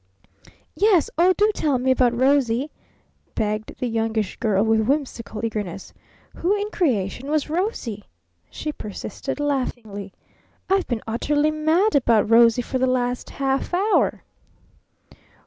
"Yes! Oh, do tell me about 'Rosie,'" begged the Youngish Girl with whimsical eagerness. "Who in creation was 'Rosie'?" she persisted laughingly. "I've been utterly mad about 'Rosie' for the last half hour!"